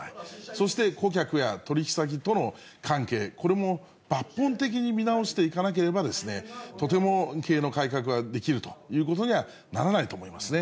そして顧客や取り引き先との関係、これも抜本的に見直していかなければですね、とても経営の改革はできるということにはならないと思いますね。